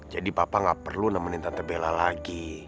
jadi papa gak perlu nemenin tante bella lagi